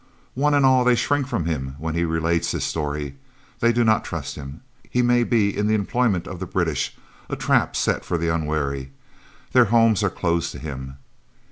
One and all they shrink from him when he relates his story. They do not trust him he may be in the employment of the British, a trap set for the unwary; their homes are closed to him.